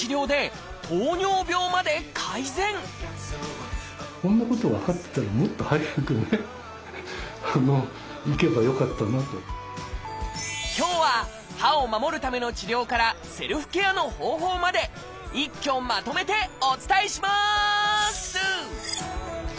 さらにこんなこと分かってたら今日は歯を守るための治療からセルフケアの方法まで一挙まとめてお伝えします！